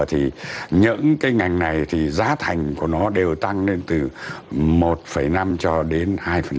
thì những cái ngành này thì giá thành của nó đều tăng lên từ một năm cho đến hai